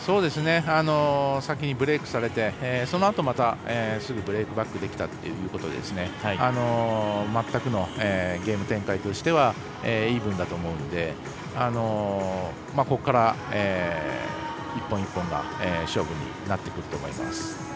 先にブレークされてそのあと、またすぐにブレークバックできたということで全くのゲーム展開としてはイーブンだと思うのでここから１本１本が勝負になってくると思います。